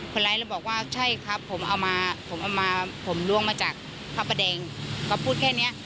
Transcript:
คนร้ายเลยบอกว่าใช่ครับผมเอามาผมเอามาผมล้วงมาจากพระประแดงก็พูดแค่เนี้ย